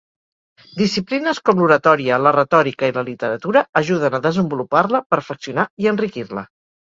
Disciplines com l'oratòria, la retòrica i la literatura ajuden a desenvolupar-la, perfeccionar i enriquir-la.